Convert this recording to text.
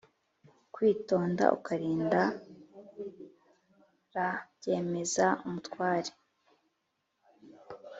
Kwitonda ukarind ra byemeza umutware